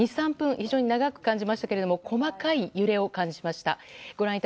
非常に長く感じましたけれども細かい揺れを感じました。